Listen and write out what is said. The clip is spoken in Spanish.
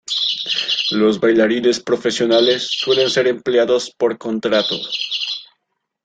Los bailarines profesionales suelen ser empleados por contrato.